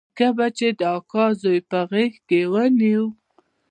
نيکه به چې د اکا زوى په غېږ کښې ونيو.